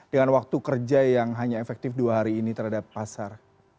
dengan waktu kerja yang hanya efektif dua hari ini terhadap pasar